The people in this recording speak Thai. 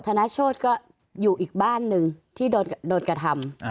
ธนโชธก็อยู่อีกบ้านหนึ่งที่โดนกระทำ